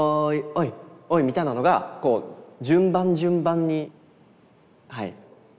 みたいなのがこう順番順番にはい。